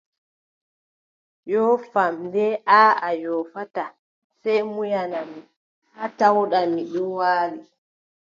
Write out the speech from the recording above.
Yoofam le, aaʼa mi yoofataa, sey munyana mi haa tawɗa mi ɗon waali,